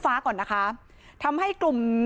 มีชายแปลกหน้า๓คนผ่านมาทำทีเป็นช่วยค่างทาง